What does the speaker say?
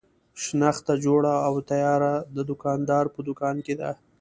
شنخته جوړه او تیاره د دوکاندار په دوکان کې ده.